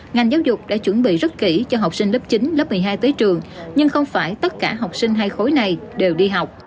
ngành giáo dục đã chuẩn bị rất kỹ cho học sinh lớp chín lớp một mươi hai tới trường nhưng không phải tất cả học sinh hai khối này đều đi học